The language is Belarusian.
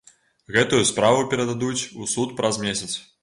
Гэтую справу перададуць у суд праз месяц.